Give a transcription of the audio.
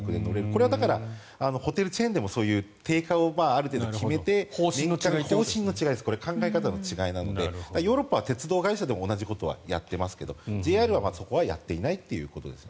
これはホテルチェーンでもそういう定価をある程度決めてこれは方針の違い考え方の違いなのでヨーロッパは鉄道会社でも同じことはやっていますがＪＲはそこはやっていないと。